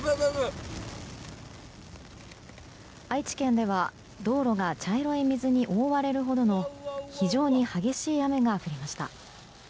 愛知県では道路が茶色い水に覆われるほどの非常に激しい雨が降りました。